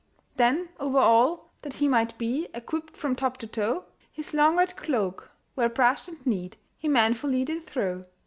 Then over all, that he might be Equipped from top to toe, His long red cloak, well brushed and neat, He manfully did throw.